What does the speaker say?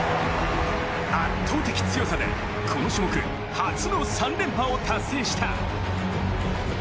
圧倒的強さでこの種目、初の３連覇を達成した。